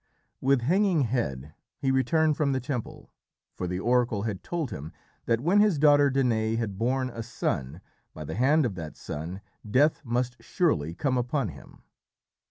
With hanging head he returned from the temple, for the oracle had told him that when his daughter Danaë had borne a son, by the hand of that son death must surely come upon him.